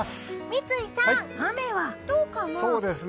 三井さん、雨はどうかな？